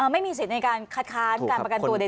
ไม่มีสิทธิ์ในการคัดค้านการประกันตัวใด